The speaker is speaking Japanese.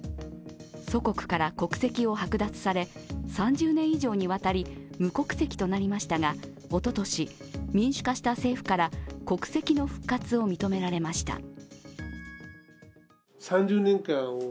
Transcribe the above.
祖国から国籍を剥奪され３０年以上にわたり無国籍となりましたがおととし、民主化した政府から国籍の復活を認められました。